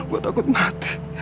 gue takut mati